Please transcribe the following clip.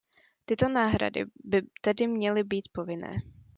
Tyto náhrady by tedy měly být povinné.